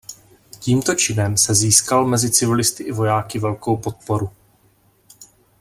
Tímto činem se získal mezi civilisty i vojáky velkou podporu.